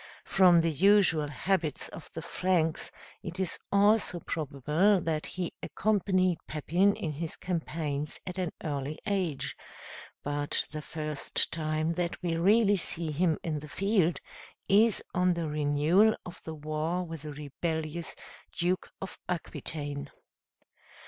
From the usual habits of the Franks, it is also probable that he accompanied Pepin in his campaigns at an early age; but the first time that we really see him in the field, is on the renewal of the war with the rebellious Duke of Aquitaine.